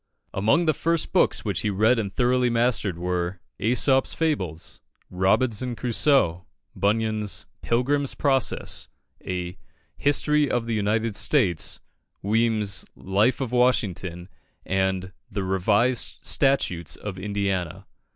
Among the first books which he read and thoroughly mastered were "Æsop's Fables," "Robinson Crusoe," Bunyan's "Pilgrim's Progress," a "History of the United States," Weem's "Life of Washington," and "The Revised Statutes of Indiana."